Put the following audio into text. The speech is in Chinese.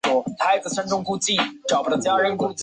曾进入金弘集内阁。